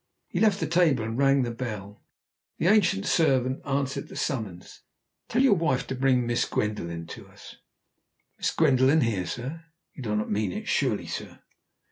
He left the table and rang the bell. The ancient man servant answered the summons. "Tell you wife to bring Miss Gwendoline to us." "Miss Gwendoline here, sir? You do not mean it sure lie, sir?"